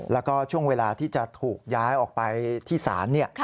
แล้วก็ช่วงเวลาที่จะถูกย้ายออกไปที่ศาล